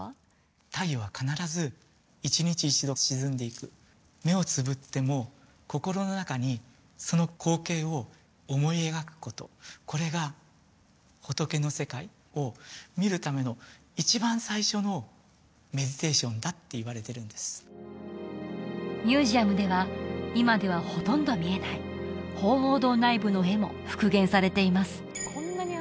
太陽は必ず１日１度沈んでいく目をつぶっても心の中にその光景を思い描くことこれが仏の世界を見るための一番最初のメディテーションだっていわれてるんですミュージアムでは今ではほとんど見えない鳳凰堂内部の絵も復元されています